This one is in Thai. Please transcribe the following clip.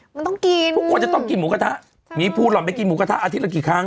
มันต้องกินทุกคนจะต้องกินหมูกระทะมีภูหล่อนไปกินหมูกระทะอาทิตย์ละกี่ครั้ง